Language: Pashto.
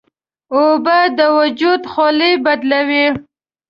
اوبه د وجود خولې بدلوي.